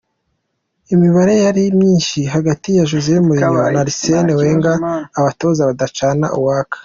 Imibare yari myinshi hagati ya Jose Mourinho na Arsene Wenger abatoza badacana uwaka.